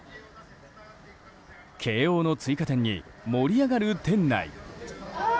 慶應の追加点に盛り上がる店内。